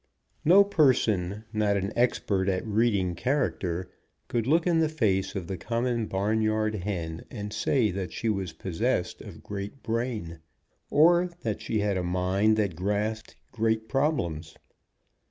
No person not an expert at reading character could look in the face of the common barnyard hen and say that she was possessed of great brain, or that she had a mind that grasped great problems.